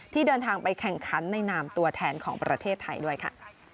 เดินทางไปแข่งขันในนามตัวแทนของประเทศไทยด้วยค่ะ